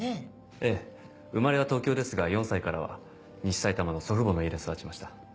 ええ生まれは東京ですが４歳からは西さいたまの祖父母の家で育ちました。